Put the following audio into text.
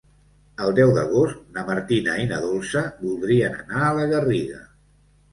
El deu d'agost na Martina i na Dolça voldrien anar a la Garriga.